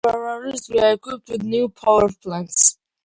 The Ferraris were equipped with new power plants.